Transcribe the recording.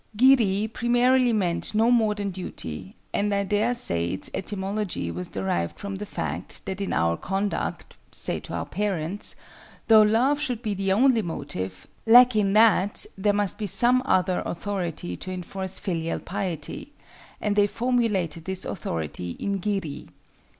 Giri primarily meant no more than duty, and I dare say its etymology was derived from the fact that in our conduct, say to our parents, though love should be the only motive, lacking that, there must be some other authority to enforce filial piety; and they formulated this authority in Giri.